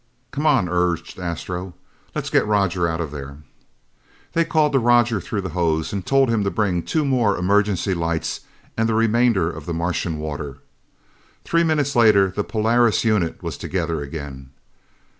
"Come on," urged Astro. "Let's get Roger out of there!" They called to Roger through the hose and told him to bring two more emergency lights and the remainder of the Martian water. Three minutes later the Polaris unit was together again.